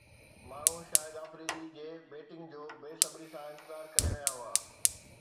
ماڻهو شاهد آفريدي جي بيٽنگ جو بي صبري سان انتظار ڪري رهيا هئا